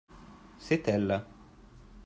c'est elles.